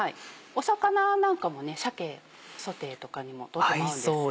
魚なんかも鮭ソテーとかにもとても合うんですよ。